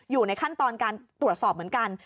อยู่ในขั้นตอนการตรวจสอบเหมือนกัน